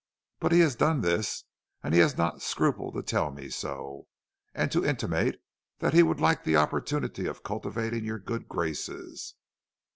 But he has done this, and he has not scrupled to tell me so, and to intimate that he would like the opportunity of cultivating your good graces.